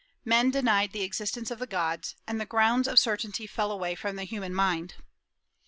Men denied the existence of the gods, and the grounds of certainty fell away from the human mind.